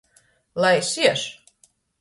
Lai siež!